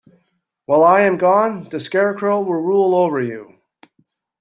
While I am gone the Scarecrow will rule over you.